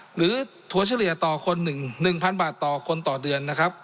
หรือถั่วเฉลี่ยต่อคน๑๐๐๐บาทต่อคนต่อเดือน